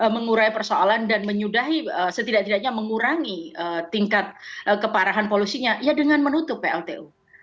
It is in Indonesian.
mengurai persoalan dan menyudahi setidak tidaknya mengurangi tingkat keparahan polusinya ya dengan menutup pltu